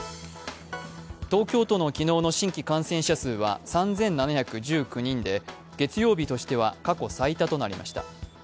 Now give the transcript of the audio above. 東京都の昨日の新規感染者数は３７１９人で月曜日としては過去最多となりまひた。